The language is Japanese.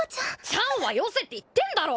「ちゃん」はよせって言ってんだろ！